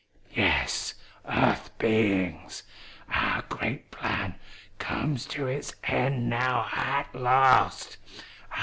"Yes, Earth beings, our great plan comes to its end now at last!